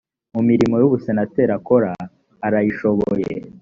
mu mirimo y ubusenateri akora arayishoboye